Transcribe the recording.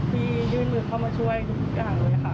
ยื่นมือเข้ามาช่วยทุกอย่างเลยค่ะ